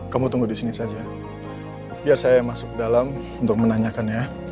kamu tunggu di sini saja biar saya masuk dalam untuk menanyakan ya